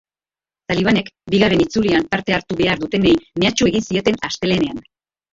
Talibanek bigarren itzulian parte hartu behar dutenei mehatxu egin zieten astelehenean.